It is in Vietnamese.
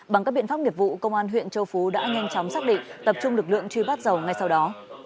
bằng các biện pháp nghiệp vụ công an huyện châu phú đã nhanh chóng xác định tập trung lực lượng truy bắt dầu ngay sau đó